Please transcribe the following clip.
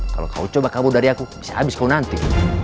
kalau kau coba kabur dari aku saya habis kau nanti